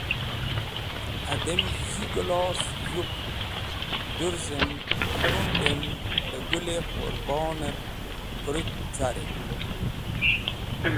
Adem yi gilos yupk dũrzem, yundem Gũl-e Qũrboner pũrũt carem.